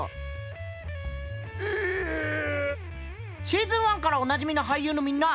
シーズン１からおなじみの俳優のみんな！